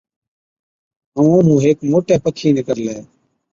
ائُون اومهُون هيڪ موٽَي پکِي نِڪرلي۔